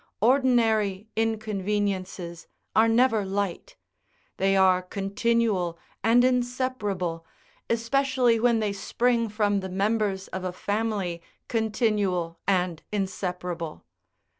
Ordinary inconveniences are never light; they are continual and inseparable, especially when they spring from the members of a family, continual and inseparable.